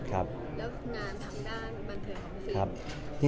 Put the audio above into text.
แล้วก็งานทำที่ด้านบันเทิงของพี่ครีม